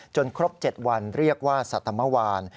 ครบ๗วันเรียกว่าสัตมวาน